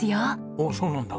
おおそうなんだ。